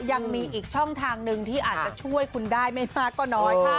ยังมีอีกช่องทางหนึ่งที่อาจจะช่วยคุณได้ไม่มากก็น้อยค่ะ